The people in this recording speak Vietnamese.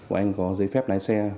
anh có giấy phép lái xe